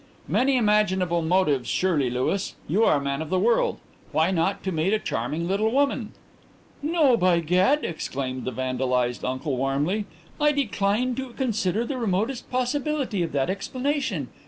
"Many imaginable motives surely, Louis. You are a man of the world. Why not to meet a charming little woman " "No, by gad!" exclaimed the scandalized uncle warmly; "I decline to consider the remotest possibility of that explanation.